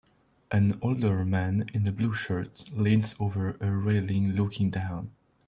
An older man in a blue shirt leans over a railing looking down.